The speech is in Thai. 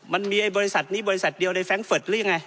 มันมีไอ้บริษัทนี้บริษัทเดียวในแร้งเฟิร์ตหรือยังไง